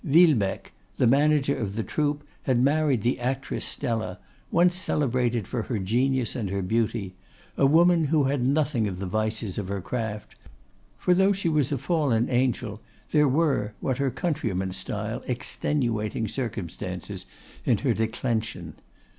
Villebecque, the manager of the troop, had married the actress Stella, once celebrated for her genius and her beauty; a woman who had none of the vices of her craft, for, though she was a fallen angel, there were what her countrymen style extenuating circumstances in her declension.